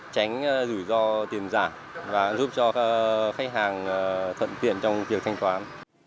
tránh rủi ro tiền giảm và giúp cho khách hàng thận tiện trong việc thanh toán